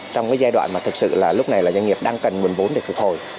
trong giai đoạn thực sự doanh nghiệp đang cần nguồn vốn để phục hồi